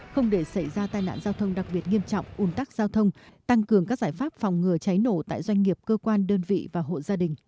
không để xảy ra tai nạn giao thông đặc biệt nghiêm trọng un tắc giao thông tăng cường các giải pháp phòng ngừa cháy nổ tại doanh nghiệp cơ quan đơn vị và hộ gia đình